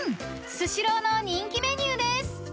スシローの人気メニューです］